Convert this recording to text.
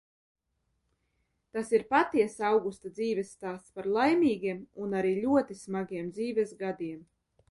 Tas ir patiess Augusta dzīves stāsts par laimīgiem un arī ļoti smagiem dzīves gadiem.